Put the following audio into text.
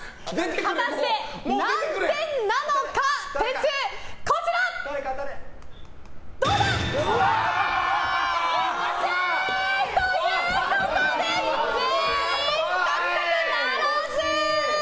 果たして何点なのか。ということで、全員獲得ならず！